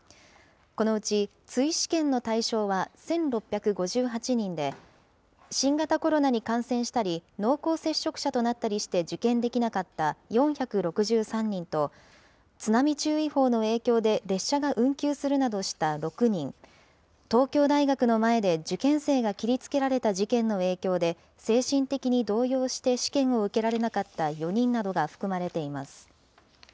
このうち、追試験の対象は１６５８人で、新型コロナに感染したり、濃厚接触者となったりして受験できなかった４６３人と、津波注意報の影響で列車が運休するなどした６人、東京大学の前で受験生が切りつけられた事件の影響で精神的に動揺して試験を受けられなかった４人などが含まれています。